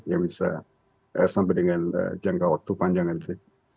yang bisa sampai dengan jangka waktu panjang nanti